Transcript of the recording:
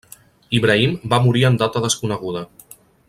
Ibrahim va morir en data desconeguda.